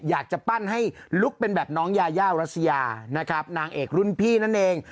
อยากจะปั้นให้ลุคเป็นแบบน้องยายารัสยานะครับนางเอกรุ่นพี่นั่นเอง